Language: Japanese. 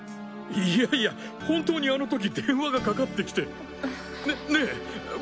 いやいや本当にあの時電話がかかってきて。